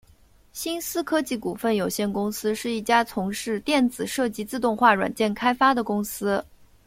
新思科技股份有限公司是一家从事电子设计自动化软件开发的公司。